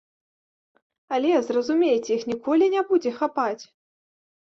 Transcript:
Але, зразумейце, іх ніколі не будзе хапаць!